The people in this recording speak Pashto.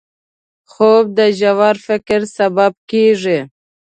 خوب د ژور فکر سبب کېږي